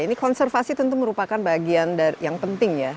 ini konservasi tentu merupakan bagian yang penting ya